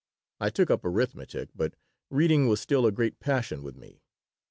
I took up arithmetic, but reading was still a great passion with me.